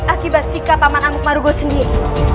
akibat sikap paman amuk marugo sendiri